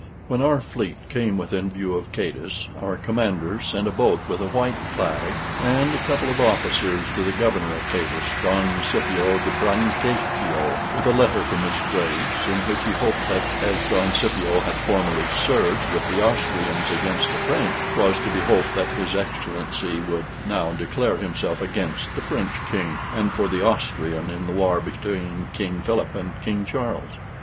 When our fleet came within view of Cadiz, our commander sent a boat with a white flag and a couple of officers to the Governor of Cadiz, Don Scipio de Brancaccio, with a letter from his Grace, in which he hoped that as Don Scipio had formerly served with the Austrians against the French, 'twas to be hoped that his Excellency would now declare himself against the French King, and for the Austrian in the war between King Philip and King Charles.